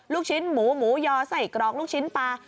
ลูกชิ้นหมูหมูยอไส้กรอกลูกชิ้นปลา